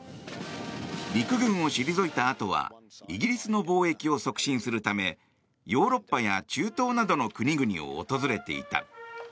陸軍を退いたあとはイギリスの貿易を促進するためヨーロッパや中東などの国々を訪れていた。